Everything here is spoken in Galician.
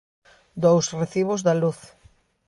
Dous recibos da luz.